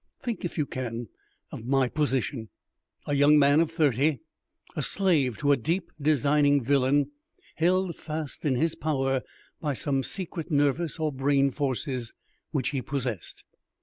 Think, if you can, of my position. A young man of thirty, a slave to a deep designing villain, held fast in his power by some secret nervous or brain forces which he possessed.